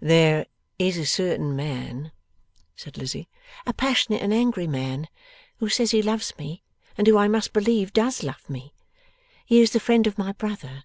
'There is a certain man,' said Lizzie, 'a passionate and angry man, who says he loves me, and who I must believe does love me. He is the friend of my brother.